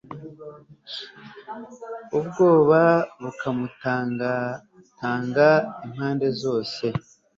ubwoba bukamutangatanga impande zose